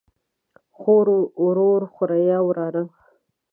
خور، ورور، خوریئ ،وراره